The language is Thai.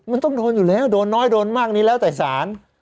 มันต้องโดนอยู่แล้วโดนน้อยโดนมากนี้แล้วแต่สาร